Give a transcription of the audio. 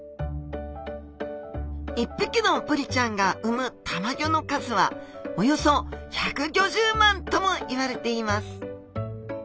１匹のブリちゃんが産むたまギョの数はおよそ１５０万ともいわれています